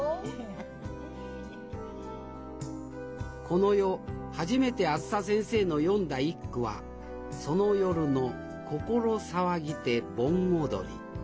この夜初めてあづさ先生の詠んだ一句は「その夜の心騒ぎて盆踊り」。